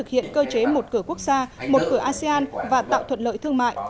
tuy nhiên phó thủ tướng đã đặt ra một cơ chế một cửa quốc gia một cửa asean và tạo thuận lợi thương mại